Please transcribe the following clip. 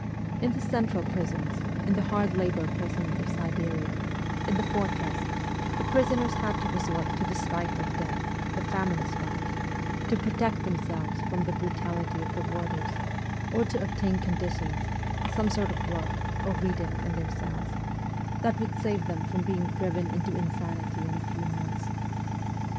In the central prisons, in the hard labour prisons of Siberia, in the fortress, the prisoners had to resort to the strike of death, the famine strike, to protect themselves from the brutality of the warders, or to obtain conditions some sort of work, or reading, in their cells that would save them from being driven into insanity in a few months.